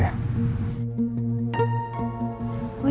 wah cantik ya